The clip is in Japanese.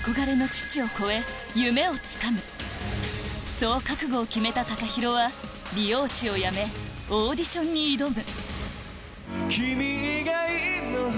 そう覚悟を決めた ＴＡＫＡＨＩＲＯ は美容師を辞めオーディションに挑む